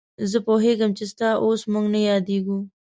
زه پوهېږم چې ستا اوس موږ نه یادېږو.